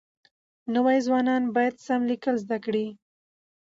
نوي ځوانان بايد سم ليکل زده کړي.